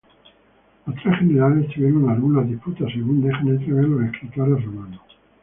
Los tres generales tuvieron algunas disputas según dejan entrever los escritores romanos.